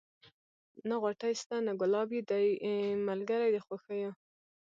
نه غوټۍ سته نه ګلاب یې دی ملګری د خوښیو